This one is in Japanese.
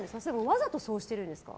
わざとそうしてるんですか？